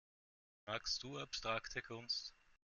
Magst du abstrakte Kunst?